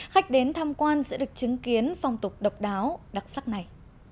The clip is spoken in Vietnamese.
khách đến tham quan sẽ được chứng kiến phong tục độc đáo đặc sắc này